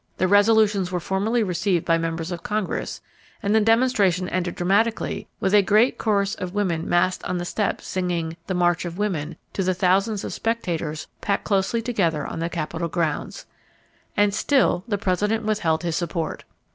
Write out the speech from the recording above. The resolutions were formally received by members of Congress and the demonstration ended dramatically with a great chorus of women massed on the steps singing "The March of the Women" to the thousands of spectators packed closely together on the Capitol grounds. And still the President withheld his support.